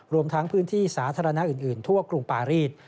รวมทั้งพื้นที่สาธารณะอื่นทั่วกรุงปารีส